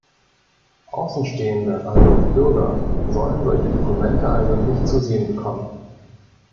Außenstehende, also Bürger, sollen solche Dokumente also nicht zu sehen bekommen.